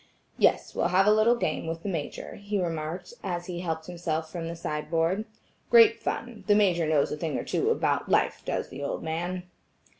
"Yes, we'll have a little game with the Major," he remarked, as he helped himself from the side board. "Great fun, the Major knows a thing or two about life does the old man."